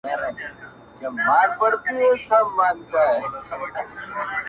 ډيره مننه مهربان شاعره~